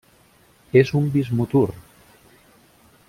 És un bismutur.